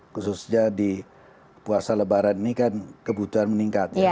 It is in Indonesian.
khususnya di puasa lebaran ini kan kebutuhan meningkat ya